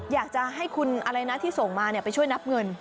อยากจะให้คุณอะไรนะที่ส่งมาไปช่วยนับเงิน